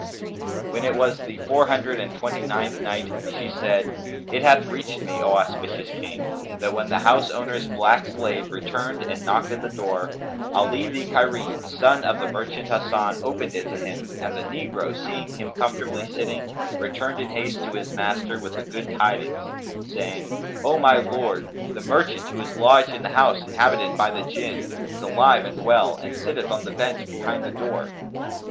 When it was the Four Hundred and Twenty ninth Night, She said, It hath reached me, O auspicious King, that when the house owner's black slave returned and knocked at the door, Ali the Cairene, son of the merchant Hasan, opened it to him and the negro, seeing him comfortably sitting, returned in haste to his master with the good tidings, saying, "O my Lord, the merchant, who is lodged in the house inhabited by the Jinn,[FN#272] is alive and well and sitteth on the bench behind the door."